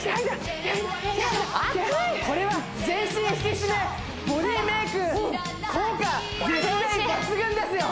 これは全身引き締めボディーメーク効果絶大抜群ですよ